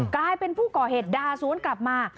กลายเป็นผู้ก่อเหตุด่าสวนกลับมา